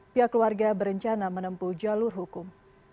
pihak keluarga berencana menempuh jalur hukum